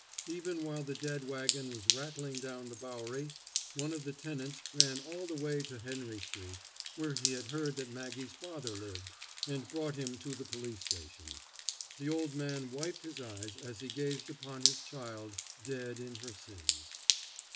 Even while the dead wagon was rattling down the Bowery, one of the tenants ran all the way to Henry street, where he had heard that Maggie's father lived, and brought him to the police station. The old man wiped his eyes as he gazed upon his child, dead in her sins.